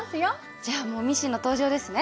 じゃあもうミシンの登場ですね。